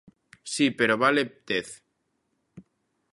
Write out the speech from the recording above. Si, pero vale dez.